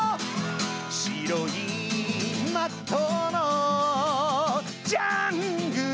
「しろいマットのジャングルに」